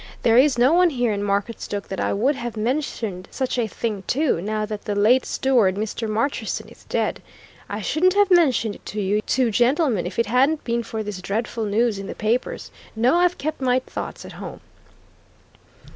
There is no one here in Marketstoke that I would have mentioned such a thing to, now that the late steward, Mr. Marcherson, is dead. I shouldn't have mentioned it to you two gentlemen if it hadn't been for this dreadful news in the papers. No, I've kept my thoughts at home."